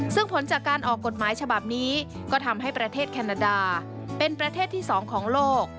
ซึ่งผลจากการออกกฎหมายฉบับนี้ก็ทำให้ประเทศแคนาดาเป็นประเทศที่๒ของโลก